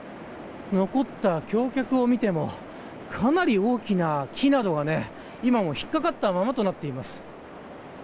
残った橋脚を見てもかなり大きな木などが今も引っかかったままとなっています。